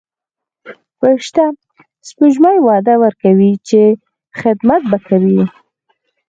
فرشته سپوږمۍ وعده ورکوي چې خدمت به کوي.